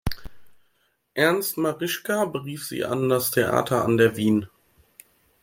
Ernst Marischka berief sie an das Theater an der Wien.